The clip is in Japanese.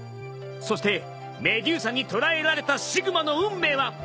そしてメデューサに捕らえられたシグマの運命は！？